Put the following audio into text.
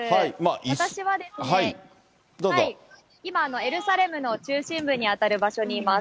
私はですね、今、エルサレムの中心部に当たる場所にいます。